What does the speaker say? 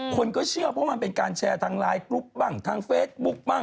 คนก็เชื่อเพราะมันเป็นการแชร์ทางไลน์กรุ๊ปบ้างทางเฟซบุ๊คบ้าง